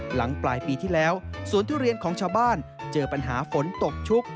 หลังปลายปีที่แล้วสวนทุเรียนของชาวบ้านเจอปัญหาฝนตกชุก